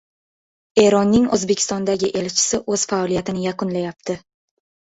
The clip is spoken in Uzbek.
Eronning O‘zbekistondagi elchisi o‘z faoliyatini yakunlayapti